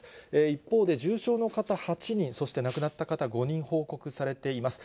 一方で、重症の方８人、そして亡くなった方５人報告されています。